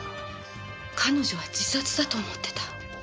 彼女は自殺だと思ってた。